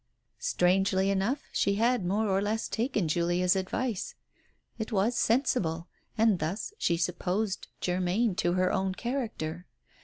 Strangely enough, she had more or less taken Julia's advice ! It was sensible, and thus she supposed germane to her own character.